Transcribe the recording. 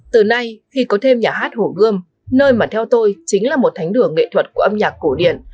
từ nay khi có thêm nhà hát hồ gươm nơi mà theo tôi chính là một thánh đường nghệ thuật của âm nhạc cổ điển